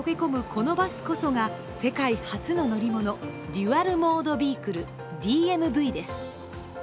このバスこそが世界初の乗り物、デュアル・モード・ビークル＝ＤＭＶです。